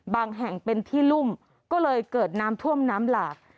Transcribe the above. แห่งเป็นที่รุ่มก็เลยเกิดน้ำท่วมน้ำหลาก